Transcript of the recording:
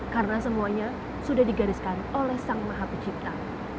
karena semuanya sudah digariskan oleh sang maha pencipta